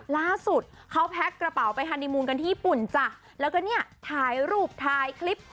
ล่าสุดเขาแพ็คกระเป๋าไปฮานีมูลกันที่ญี่ปุ่นจ้ะแล้วก็เนี่ยถ่ายรูปถ่ายคลิป